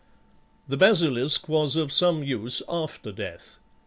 The basilisk was of some use after death.